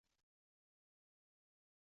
Qornim och.